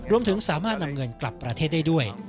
รวมถึงสามารถนำเงินกลับประเทศได้ด้วย